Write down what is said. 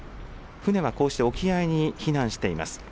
船はこうして沖合に避難しています。